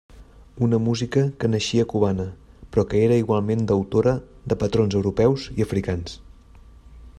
Una música que naixia cubana però que era igualment deutora de patrons europeus i africans.